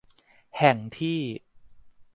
แห่งที่